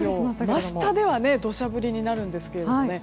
真下では土砂降りになるんですけどね。